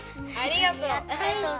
ありがとう。